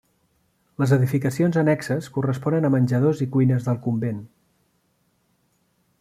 Les edificacions annexes corresponen a menjadors i cuines del convent.